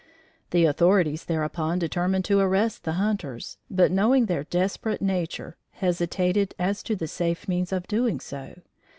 The authorities thereupon determined to arrest the hunters, but knowing their desperate nature, hesitated as to the safe means of doing so.